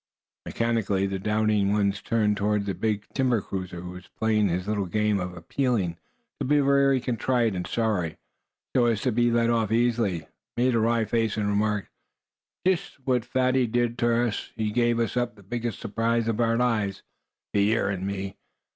Mechanically the doubting ones turned toward the big timber cruiser, who, playing his little game of appearing to be very contrite and sorry, so as to be let off easily, made a wry face, and remarked: "Jest what Fatty did ter us; he give us the biggest s'prise of our lives, Pierre and me.